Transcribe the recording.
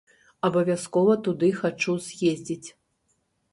Абавязкова туды хачу з'ездзіць.